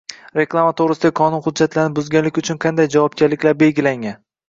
Reklama to‘g‘risidagi qonun hujjatlarini buzganlik uchun qanday javobgarliklar belgilangan?